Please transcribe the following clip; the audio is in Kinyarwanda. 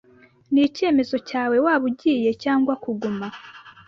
Ni icyemezo cyawe waba ugiye cyangwa kuguma.